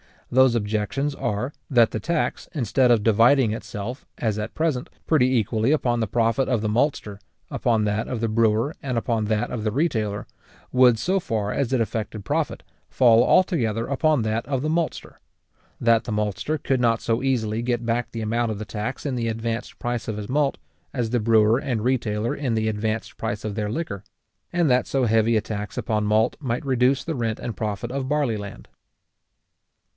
Those objections are, that the tax, instead of dividing itself, as at present, pretty equally upon the profit of the maltster, upon that of the brewer and upon that of the retailer, would so far as it affected profit, fall altogether upon that of the maltster; that the maltster could not so easily get back the amount of the tax in the advanced price of his malt, as the brewer and retailer in the advanced price of their liquor; and that so heavy a tax upon malt might reduce the rent and profit of barley land.